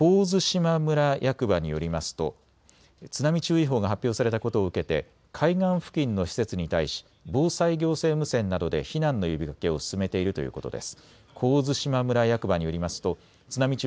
神津島村役場によりますと津波注意報が発表されたことを受けて海岸付近の施設に対し防災行政無線などで避難の呼びかけを進めているということです。